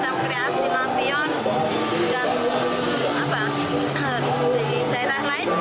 di daerah lain gak ada